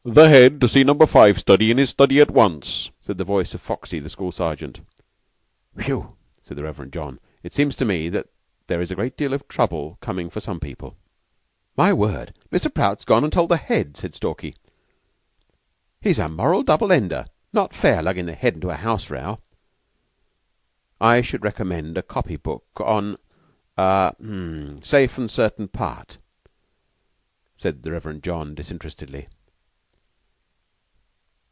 "The Head to see Number Five study in his study at once," said the voice of Foxy, the school sergeant. "Whew!" said the Reverend John. "It seems to me that there is a great deal of trouble coming for some people." "My word! Mr. Prout's gone and told the Head," said Stalky. "He's a moral double ender. Not fair, luggin' the Head into a house row." "I should recommend a copy book on a h'm safe and certain part," said the Reverend John disinterestedly.